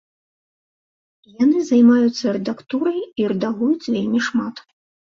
Яны займаюцца рэдактурай, і рэдагуюць вельмі шмат.